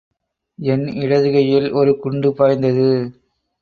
என் இடதுகையில் ஒரு குண்டு பாய்ந்தது.